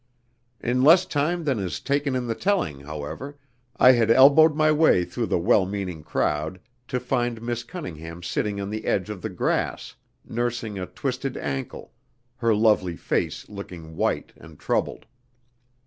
In less time than is taken in the telling, however, I had elbowed my way through the well meaning crowd to find Miss Cunningham sitting on the edge of the grass nursing a twisted ankle, her lovely face looking white and troubled.